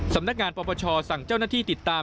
สำนักงานปปชสั่งเจ้าหน้าที่ติดตาม